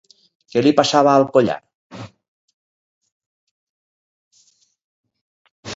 Què li passava al collar?